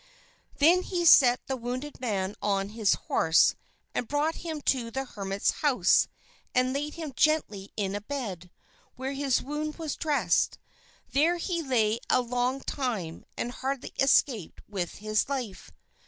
Then he set the wounded man on his horse and brought him to the hermit's house and laid him gently in a bed, where his wound was dressed. There he lay a long time, and hardly escaped with his life.